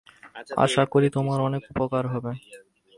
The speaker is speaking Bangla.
আশা করি, তোমার অনেক উপকার হবে।